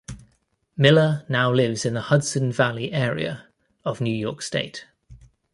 Miller now lives in the Hudson Valley area of New York state.